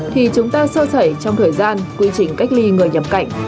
thì chúng ta soi sẩy trong thời gian quy trình cách ly người nhập cảnh